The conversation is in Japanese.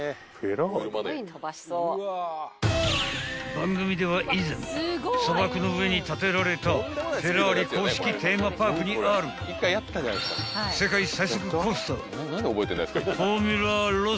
［番組では以前砂漠の上に建てられたフェラーリ公式テーマパークにある世界最速コースターフォーミュラ・ロッサを紹介］